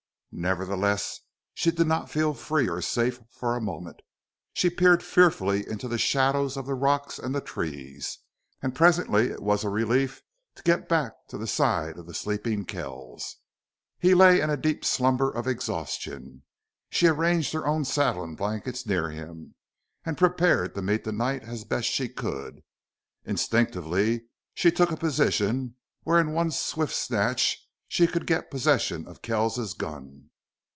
Nevertheless, she did not feel free or safe for a moment; she peered fearfully into the shadows of the rocks and trees; and presently it was a relief to get back to the side of the sleeping Kells. He lay in a deep slumber of exhaustion. She arranged her own saddle and blankets near him, and prepared to meet the night as best she could. Instinctively she took a position where in one swift snatch she could get possession of Kells's gun.